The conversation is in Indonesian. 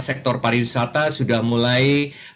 sektor pariwisata sudah mulai